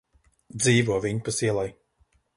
Dzīvo viņpus ielai.